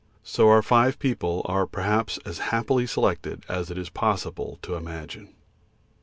So our five people are perhaps as happily selected as it is possible to imagine.